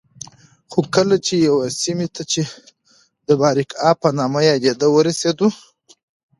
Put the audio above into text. خو کله چې یوې سیمې ته چې د باریکآب په نامه یادېده ورسېدو